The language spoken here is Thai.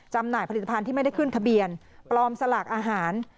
จำหน่ายผลิตภัณฑ์ที่ไม่ได้ขึ้นทะเบียนปลอมสลากอาหาร